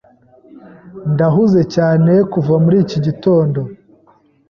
Ndahuze cyane kuva muri iki gitondo.